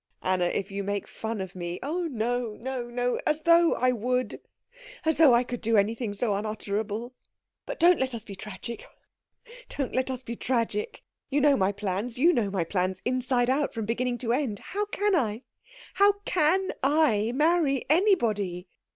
"Anna, if you make fun of me " "Oh no, no as though I would as though I could do anything so unutterable. But don't let us be tragic. Oh, don't let us be tragic. You know my plans you know my plans inside out, from beginning to end how can I, how can I marry anybody?"